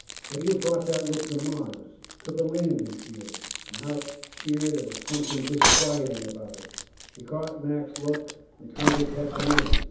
But he had brought that look to Mars, to the landing field, and out here there was something disquieting about it. He'd caught Mac's look and turned his head to me.